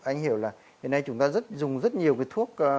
anh hiểu là hồi nay chúng ta dùng rất nhiều cái thuốc